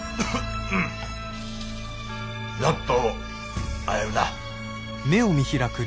やっと会えるな。